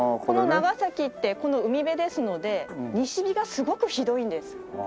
この長崎って海辺ですので西日がすごくひどいんです。